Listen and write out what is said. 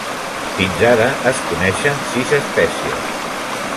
Fins ara es coneixen sis espècies.